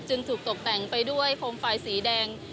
จึงถูกตกแต่งไปด้วยโฟมไฟล์สีแดง